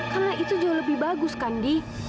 karena itu jauh lebih bagus kan di